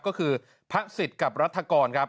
ก็คือพระสิทธิ์กับรัฐกรครับ